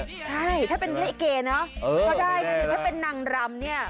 ใช่ถ้าเป็นเละเกย์เนอะก็ได้ถ้าเป็นนางรำเนี่ย